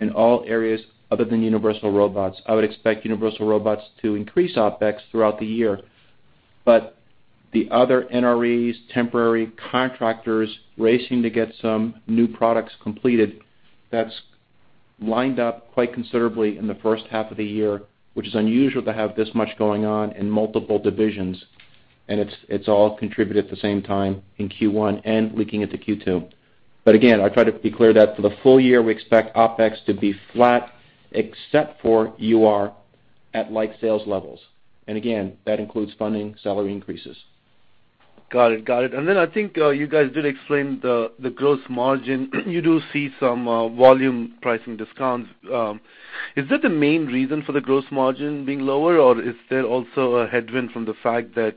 [SPEAKER 3] in all areas other than Universal Robots. I would expect Universal Robots to increase OpEx throughout the year. The other NREs, temporary contractors racing to get some new products completed, that's lined up quite considerably in the first half of the year, which is unusual to have this much going on in multiple divisions. It's all contributed at the same time in Q1 and leaking into Q2. Again, I try to be clear that for the full year, we expect OpEx to be flat except for UR at like sales levels. Again, that includes funding salary increases.
[SPEAKER 12] Got it. I think you guys did explain the gross margin. You do see some volume pricing discounts. Is that the main reason for the gross margin being lower, is there also a headwind from the fact that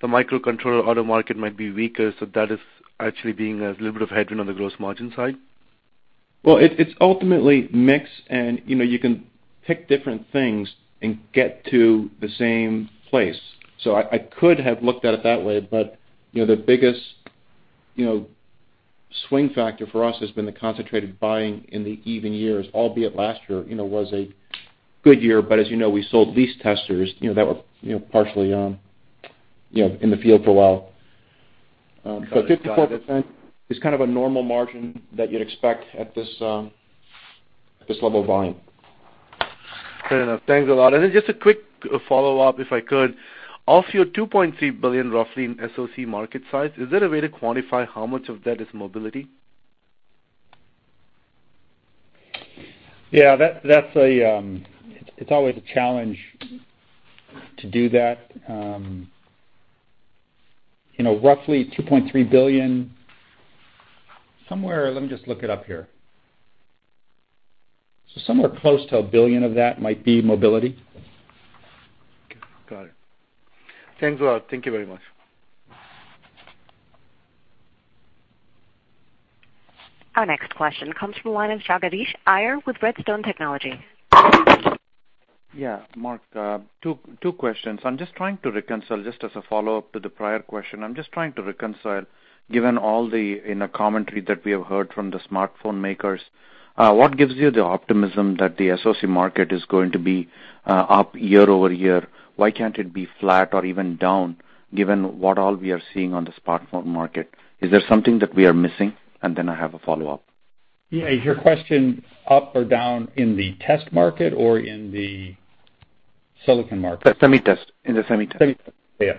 [SPEAKER 12] the microcontroller auto market might be weaker, that is actually being a little bit of headwind on the gross margin side?
[SPEAKER 3] Well, it's ultimately mix, you can pick different things and get to the same place. I could have looked at it that way, but the biggest swing factor for us has been the concentrated buying in the even years. Albeit last year was a good year. As you know, we sold leased testers that were partially in the field for a while. 54% is kind of a normal margin that you'd expect at this level of volume.
[SPEAKER 12] Fair enough. Thanks a lot. Just a quick follow-up if I could. Of your $2.3 billion, roughly, inSoC market size, is there a way to quantify how much of that is mobility?
[SPEAKER 3] Yeah. It's always a challenge to do that. Roughly $2.3 billion, let me just look it up here. Somewhere close to $1 billion of that might be mobility.
[SPEAKER 12] Okay, got it. Thanks a lot. Thank you very much.
[SPEAKER 1] Our next question comes from the line of Jagadish Iyer with Redstone Technology.
[SPEAKER 13] Yeah. Mark, two questions. I'm just trying to reconcile, just as a follow-up to the prior question, I'm just trying to reconcile, given all the commentary that we have heard from the smartphone makers, what gives you the optimism that the SoC market is going to be up year-over-year? Why can't it be flat or even down, given what all we are seeing on the smartphone market? Is there something that we are missing? I have a follow-up.
[SPEAKER 3] Yeah. Is your question up or down in the test market or in the silicon market?
[SPEAKER 13] The semi test. In the semi test.
[SPEAKER 3] Semi test. Yeah.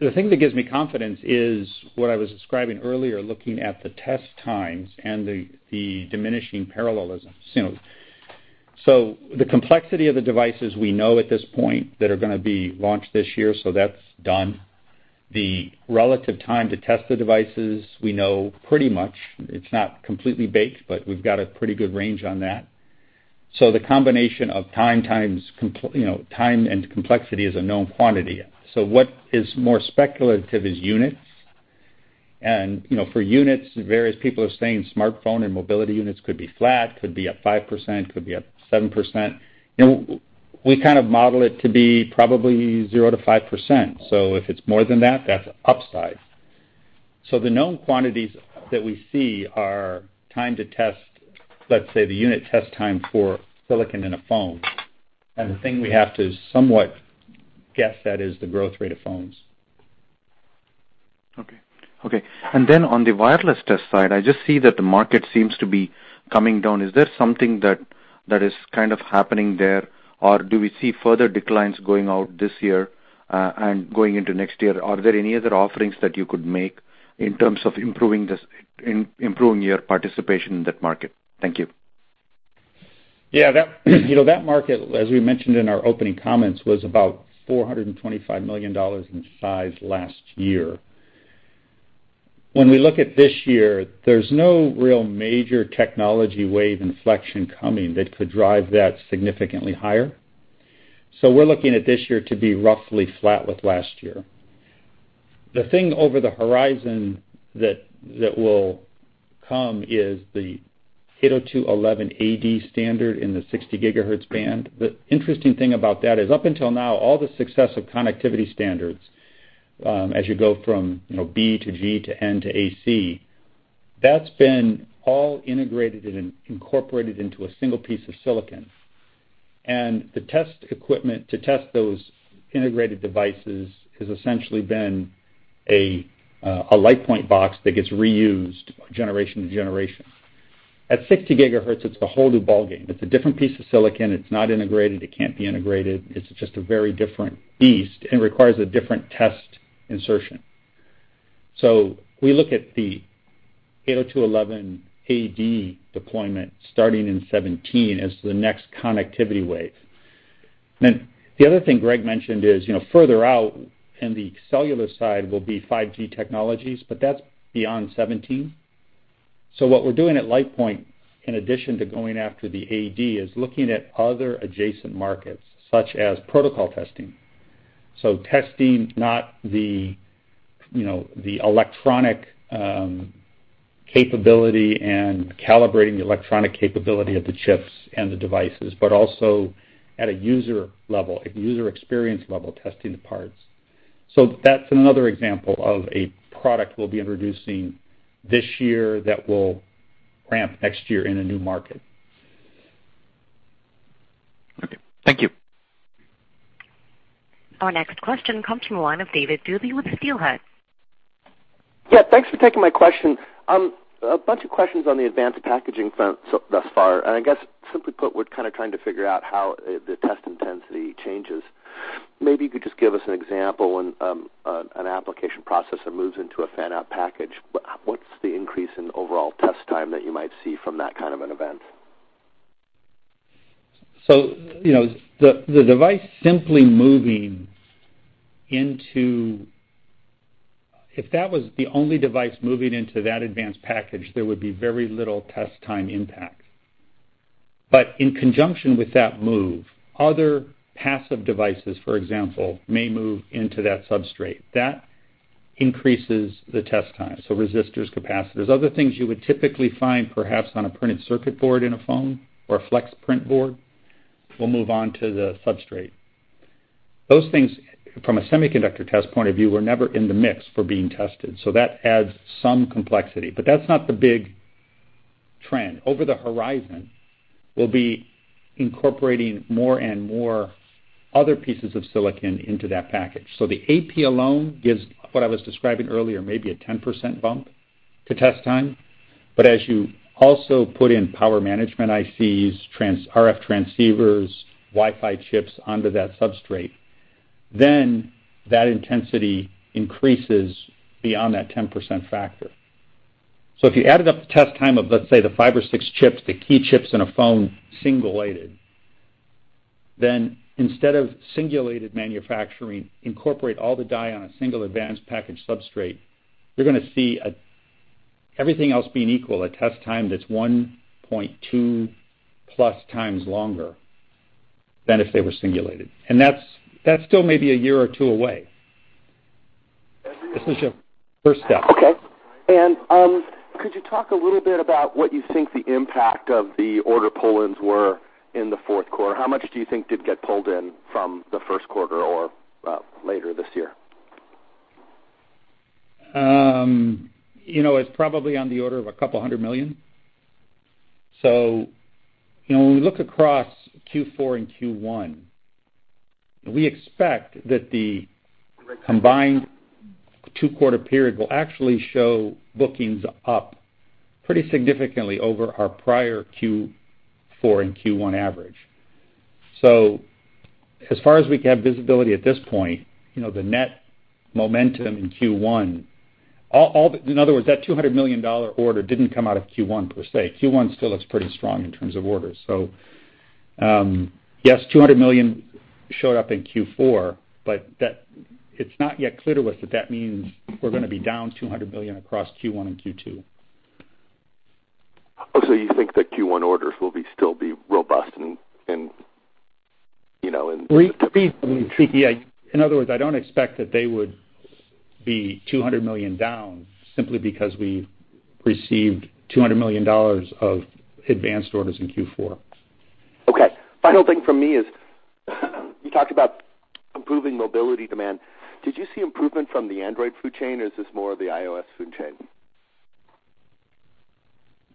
[SPEAKER 3] The thing that gives me confidence is what I was describing earlier, looking at the test times and the diminishing parallelism. The complexity of the devices we know at this point that are going to be launched this year, that's done. The relative time to test the devices, we know pretty much. It's not completely baked, but we've got a pretty good range on that. The combination of time and complexity is a known quantity. What is more speculative is units. For units, various people are saying smartphone and mobility units could be flat, could be up 5%, could be up 7%. We kind of model it to be probably 0 to 5%, so if it's more than that's upside. The known quantities that we see are time to test, let's say the unit test time for silicon in a phone, and the thing we have to somewhat guess at is the growth rate of phones.
[SPEAKER 13] Okay. On the wireless test side, I just see that the market seems to be coming down. Is there something that is kind of happening there, or do we see further declines going out this year, and going into next year? Are there any other offerings that you could make in terms of improving your participation in that market? Thank you.
[SPEAKER 3] Yeah. That market, as we mentioned in our opening comments, was about $425 million in size last year. When we look at this year, there's no real major technology wave inflection coming that could drive that significantly higher. We're looking at this year to be roughly flat with last year. The thing over the horizon that will come is the 802.11ad standard in the 60 gigahertz band. The interesting thing about that is up until now, all the success of connectivity standards, as you go from B to V to N to AC, that's been all integrated and incorporated into a single piece of silicon. The test equipment to test those integrated devices has essentially been a LitePoint box that gets reused generation to generation. At 60 gigahertz, it's a whole new ballgame. It's a different piece of silicon. It's not integrated. It can't be integrated. It's just a very different beast and requires a different test insertion. We look at the 802.11ad deployment starting in 2017 as the next connectivity wave. The other thing Greg mentioned is, further out in the cellular side will be 5G technologies, but that's beyond 2017. What we're doing at LitePoint, in addition to going after the ad, is looking at other adjacent markets such as protocol testing. Testing not the electronic capability and calibrating the electronic capability of the chips and the devices, but also at a user level, a user experience level, testing the parts. That's another example of a product we'll be introducing this year that will ramp next year in a new market.
[SPEAKER 13] Okay. Thank you.
[SPEAKER 1] Our next question comes from the line of David Duley with Steelhead.
[SPEAKER 14] Yeah, thanks for taking my question. A bunch of questions on the advanced packaging front so far, and I guess simply put, we're kind of trying to figure out how the test intensity changes. Maybe you could just give us an example, an application processor moves into a fan-out package. What's the increase in overall test time that you might see from that kind of an event?
[SPEAKER 3] The device simply moving into If that was the only device moving into that advanced package, there would be very little test time impact. In conjunction with that move, other passive devices, for example, may move into that substrate. That increases the test time, so resistors, capacitors. Other things you would typically find perhaps on a printed circuit board in a phone or a flex print board will move on to the substrate. Those things, from a semiconductor test point of view, were never in the mix for being tested, so that adds some complexity. That's not the big trend. Over the horizon, we'll be incorporating more and more other pieces of silicon into that package. The AP alone gives what I was describing earlier, maybe a 10% bump to test time. As you also put in power management ICs, RF transceivers, Wi-Fi chips under that substrate, then that intensity increases beyond that 10% factor. If you added up the test time of, let's say, the five or six chips, the key chips in a phone singulated, then instead of singulated manufacturing, incorporate all the die on a single advanced package substrate, you're going to see, everything else being equal, a test time that's 1.2 plus times longer than if they were singulated. That's still maybe a year or two away. This is a first step.
[SPEAKER 14] Okay. Could you talk a little bit about what you think the impact of the order pull-ins were in the fourth quarter? How much do you think did get pulled in from the first quarter or later this year?
[SPEAKER 3] It's probably on the order of $200 million. When we look across Q4 and Q1, we expect that the combined two-quarter period will actually show bookings up pretty significantly over our prior Q4 and Q1 average. As far as we can have visibility at this point, the net momentum in Q1, in other words, that $200 million order didn't come out of Q1 per se. Q1 still looks pretty strong in terms of orders. Yes, $200 million showed up in Q4, but it's not yet clear to us that that means we're going to be down $200 million across Q1 and Q2.
[SPEAKER 14] Do you think that Q1 orders will still be robust?
[SPEAKER 3] In other words, I don't expect that they would be $200 million down simply because we received $200 million of advanced orders in Q4.
[SPEAKER 14] Okay. Final thing from me is, you talked about improving mobility demand. Did you see improvement from the Android food chain, or is this more of the iOS food chain?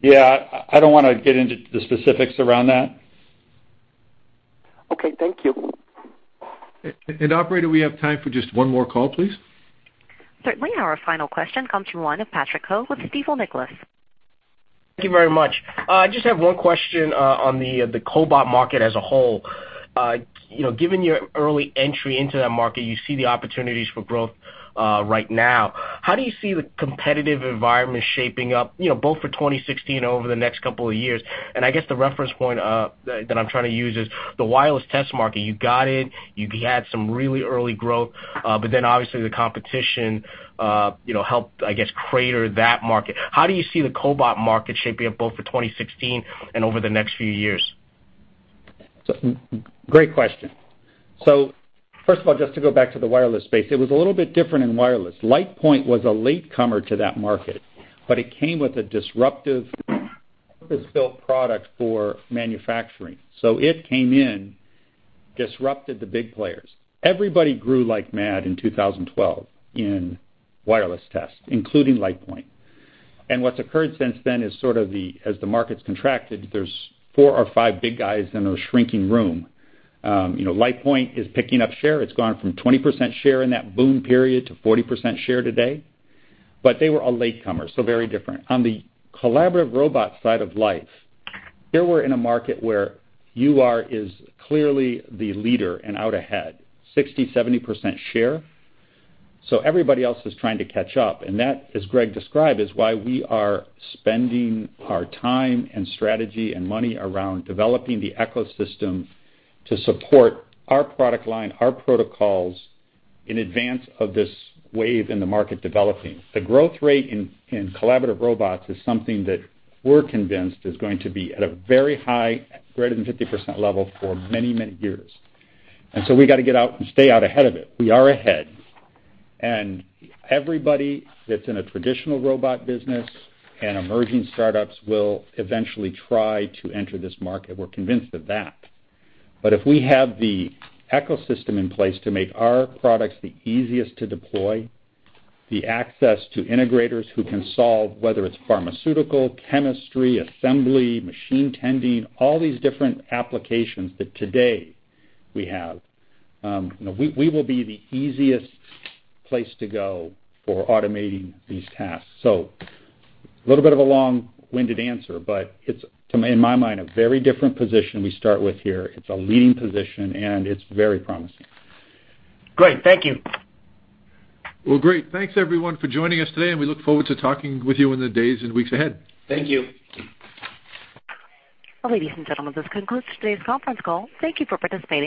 [SPEAKER 3] Yeah, I don't want to get into the specifics around that.
[SPEAKER 14] Okay, thank you.
[SPEAKER 3] Operator, we have time for just one more call, please.
[SPEAKER 1] Certainly. Our final question comes from the line of Patrick Ho with Stifel, Nicolaus & Company, Incorporated.
[SPEAKER 15] Thank you very much. I just have one question on the cobot market as a whole. Given your early entry into that market, you see the opportunities for growth right now. How do you see the competitive environment shaping up, both for 2016 and over the next couple of years? I guess the reference point that I'm trying to use is the wireless test market. You got in, you had some really early growth, but then obviously the competition helped, I guess, crater that market. How do you see the cobot market shaping up both for 2016 and over the next few years?
[SPEAKER 3] Great question. First of all, just to go back to the wireless space, it was a little bit different in wireless. LitePoint was a latecomer to that market, but it came with a disruptive purpose-built product for manufacturing. It came in, disrupted the big players. Everybody grew like mad in 2012 in wireless test, including LitePoint. What's occurred since then is sort of, as the market's contracted, there's four or five big guys in a shrinking room. LitePoint is picking up share. It's gone from 20% share in that boom period to 40% share today. They were a latecomer, so very different. On the collaborative robot side of life, here we're in a market where UR is clearly the leader and out ahead, 60%, 70% share. Everybody else is trying to catch up. That, as Greg described, is why we are spending our time and strategy and money around developing the ecosystem to support our product line, our protocols in advance of this wave in the market developing. The growth rate in collaborative robots is something that we're convinced is going to be at a very high, greater than 50% level for many, many years. We got to get out and stay out ahead of it. We are ahead, everybody that's in a traditional robot business and emerging startups will eventually try to enter this market. We're convinced of that. If we have the ecosystem in place to make our products the easiest to deploy, the access to integrators who can solve, whether it's pharmaceutical, chemistry, assembly, machine tending, all these different applications that today we have, we will be the easiest place to go for automating these tasks. A little bit of a long-winded answer, it's, in my mind, a very different position we start with here. It's a leading position, it's very promising.
[SPEAKER 15] Great. Thank you.
[SPEAKER 3] Well, great. Thanks, everyone for joining us today, and we look forward to talking with you in the days and weeks ahead.
[SPEAKER 14] Thank you.
[SPEAKER 1] Ladies and gentlemen, this concludes today's conference call. Thank you for participating.